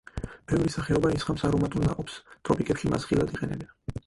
ბევრი სახეობა ისხამს არომატულ ნაყოფს; ტროპიკებში მას ხილად იყენებენ.